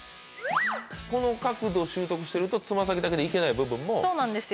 この角度を習得してるとつま先だけで行けない部分もカバーできる。